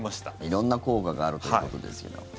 色んな効果があるということですけど。